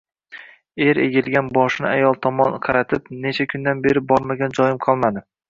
Er egilgan boshini ayoli tomon qaratib: “Necha kundan beri bormagan joyim qolmadi